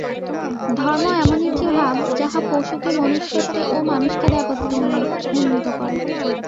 ধর্ম এমন একটি ভাব, যাহা পশুকে মনুষ্যত্বে ও মানুষকে দেবত্বে উন্নীত করে।